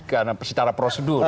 tidak secara prosedur